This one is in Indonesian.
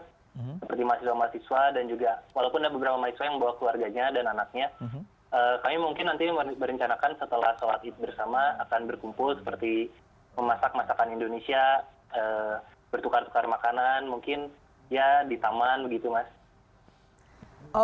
seperti mahasiswa mahasiswa dan juga walaupun ada beberapa mahasiswa yang bawa keluarganya dan anaknya kami mungkin nanti merencanakan setelah sholat id bersama akan berkumpul seperti memasak masakan indonesia bertukar tukar makanan mungkin ya di taman begitu mas